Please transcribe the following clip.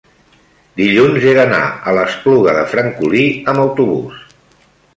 dilluns he d'anar a l'Espluga de Francolí amb autobús.